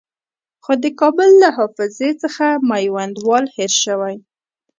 خو د کابل له حافظې څخه میوندوال هېر شوی.